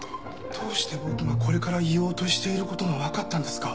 どうして僕がこれから言おうとしている事がわかったんですか？